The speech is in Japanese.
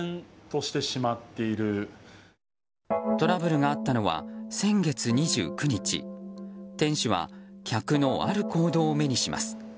トラブルがあったのは先月２９日店主は客のある行動を目にします。